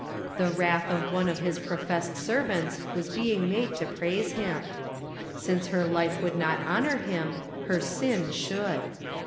The " wrath " of one of his professed servants was being made to praise him. Since her life would not honor him, her sin should.